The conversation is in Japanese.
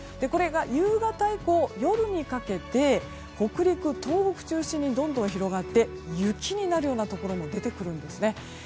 これが夕方以降夜にかけて北陸、東北中心にどんどん広がって雪になるようなところも出てくるんです。